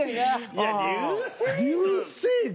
いや「流星群」。